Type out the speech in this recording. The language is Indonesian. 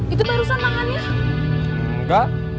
itu barusan mangan ya enggak